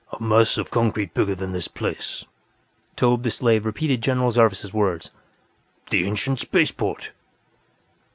"A mass of concrete bigger than this place," Tobbh the Slave repeated General Zarvas' words. "_The Ancient Spaceport!